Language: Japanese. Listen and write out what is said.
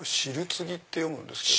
次って読むんですけど。